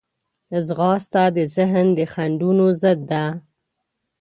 ځغاسته د ذهن د خنډونو ضد ده